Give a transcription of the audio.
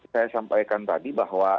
saya sampaikan tadi bahwa